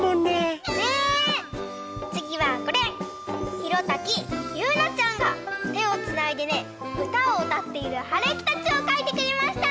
ひろたきゆうなちゃんがてをつないでねうたをうたっているはるきたちをかいてくれました！